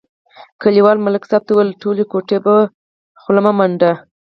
کلیوال ملک صاحب ته ویل: ټولې ګوتې په خوله مه منډه.